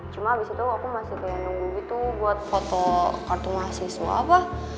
cuma abis itu aku masih kayak nunggu gitu buat foto kartu mahasiswa apa